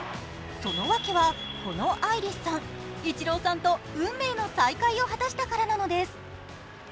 そのわけはこのアイリスさん、イチローさんと運命の再会を果たしたからなのです。